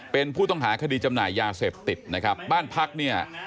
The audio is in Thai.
เป็นผู้ต้องหาคดีจำหน่ายยาเสพติดนะครับบ้านพักเนี่ย